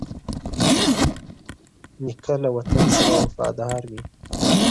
نیکه له وطن سره وفادار وي.